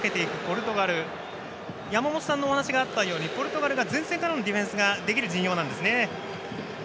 山本さんからお話があったようにポルトガルが前線からのディフェンスができる陣容なんですね。